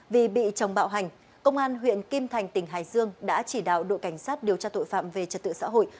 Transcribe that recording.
vì bị chồng bạo hành công an huyện kim thành tỉnh hải dương đã chỉ đạo đội cảnh sát điều tra tội phạm về trật tự xã hội